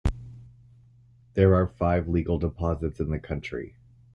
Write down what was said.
There are five legal deposits in the country.